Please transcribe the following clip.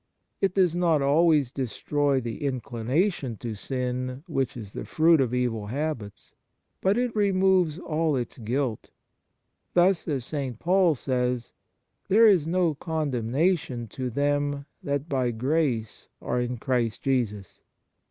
It does not always destroy the inclination to sin which is the fruit of evil habits, but it removes all its guilt; thus, as St. Paul says: " There is no condemna tion to them that (by grace) are in Christ Jesus."